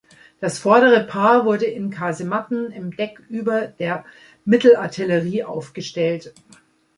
Das vordere Paar wurde in Kasematten im Deck über der Mittelartillerie aufgestellt.